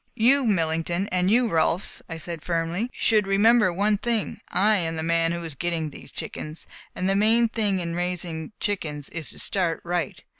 "You, Millington, and you, Rolfs," I said firmly, "should remember one thing: I am the man who is getting these chickens, and the main thing in raising chickens is to start right.